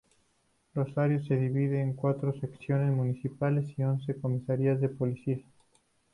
Rosario se divide en cuatro secciones municipales y once comisarías de policía.